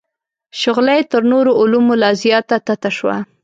شغله یې تر نورو علومو لا زیاته تته شوه.